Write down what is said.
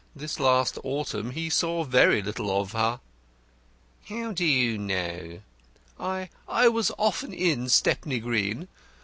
This last autumn he saw very little of her." "How do you know?" "I I was often in Stepney Green.